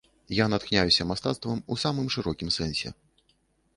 Я натхняюся мастацтвам у самым шырокім сэнсе.